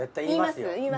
言います？